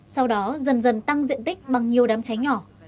sau đó dần dần tăng diện tích bằng nhiều đám cháy nhỏ